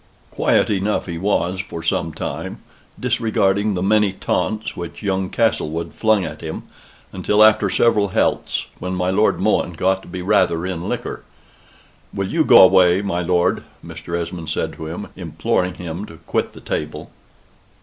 Quiet enough he was for some time; disregarding the many taunts which young Castlewood flung at him, until after several healths, when my Lord Mohun got to be rather in liquor. "Will you go away, my lord?" Mr. Esmond said to him, imploring him to quit the table.